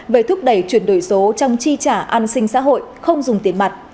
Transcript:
về thúc đẩy chuyển đổi số trong chi trả an sinh xã hội không dùng tiền mặt